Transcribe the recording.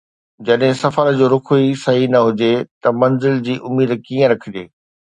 جڏهن سفر جو رخ ئي صحيح نه هجي ته منزل جي اميد ڪيئن رکجي؟